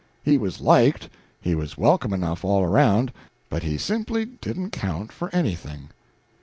He was liked, he was welcome enough all around, but he simply didn't count for anything.